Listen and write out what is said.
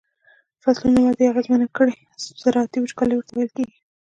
فصلونو وده اغیزمنه کړي زراعتی وچکالی ورته ویل کیږي.